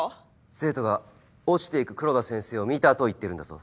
生徒が落ちて行く黒田先生を見たと言ってるんだぞ。